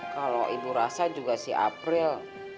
kalau ibu rasa juga si april